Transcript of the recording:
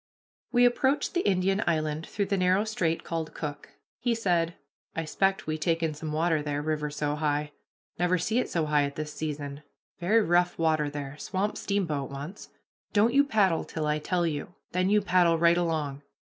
We approached the Indian Island through the narrow strait called "Cook." He said: "I 'xpect we take in some water there, river so high never see it so high at this season. Very rough water there; swamp steamboat once. Don't you paddle till I tell you. Then you paddle right along."